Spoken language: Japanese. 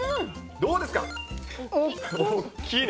どうですか？